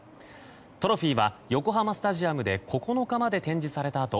トロフィーは横浜スタジアムで９日まで展示されたあと